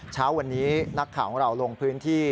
เช้าวันนี้นักข่าวของเราลงพื้นที่